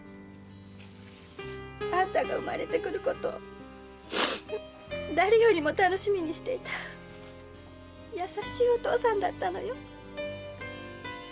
あんたが産まれてくることを誰よりも楽しみにしていた優しいお父さんだったのよ。